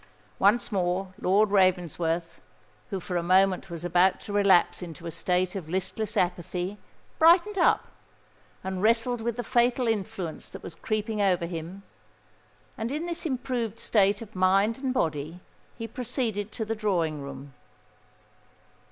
Once more Lord Ravensworth, who for a moment was about to relapse into a state of listless apathy, brightened up, and wrestled with the fatal influence that was creeping over him; and in this improved state of mind and body he proceeded to the drawing room.